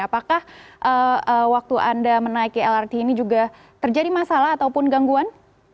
apakah waktu anda menaiki lrt ini juga terjadi masalah ataupun gangguan